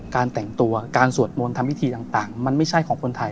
การแต่งตัวการสวดมนต์ทำพิธีต่างมันไม่ใช่ของคนไทย